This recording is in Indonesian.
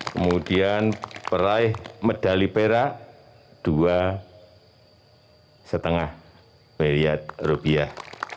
kemudian peraih medali perak dua lima miliar rupiah